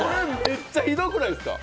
めっちゃひどくないですか。